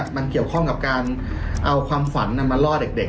มันเกี่ยวข้องกับการเอาความฝันมาล่อเด็ก